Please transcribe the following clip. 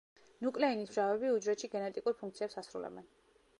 ნუკლეინის მჟავები უჯრედში გენეტიკურ ფუნქციებს ასრულებენ.